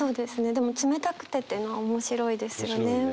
でも「冷たくて」っていうのは面白いですよね。